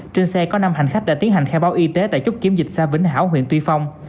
trên xe có năm hành khách đã tiến hành khai báo y tế tại chốt kiểm dịch xã vĩnh hảo huyện tuy phong